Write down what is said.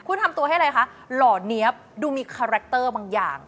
คุณทำตัวให้อะไรคะหล่อเนี๊ยบดูมีคาแรคเตอร์บางอย่าง